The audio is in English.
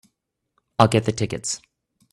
I'll get the tickets.